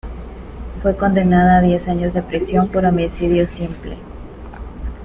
Fue condenada a diez años de prisión por homicidio simple.